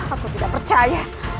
aku tidak percaya